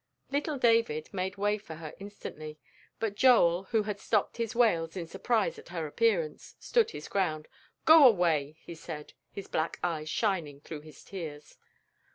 Little David made way for her instantly, but Joel, who had stopped his wails in surprise at her appearance, stood his ground. "Go away," he said, his black eyes shining through his tears.